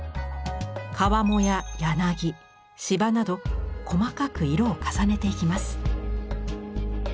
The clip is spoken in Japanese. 川面や柳柴など細かく色を重ねていきます。